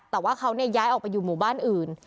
แต่ว่าเขาย้ายออกไปอยู่หมู่บ้านอื่น